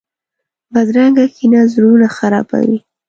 بدرنګه کینه زړونه خرابوي